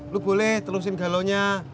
lu boleh terusin galau nya